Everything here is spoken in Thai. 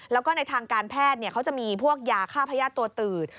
แล้วก็ในทางการแพทย์เขาจะมีพวกยาฆ่าพญาติตัวตืด